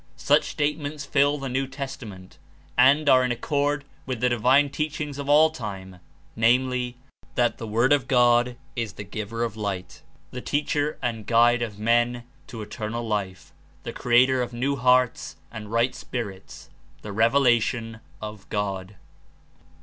Such state ments fill the New Testament and are in accord with the divine teachings of all time, viz : that the Word of God is the giver of light, the teacher and guide of 13 men to eternal life, the creator of new hearts and right spirits, the revelation of God.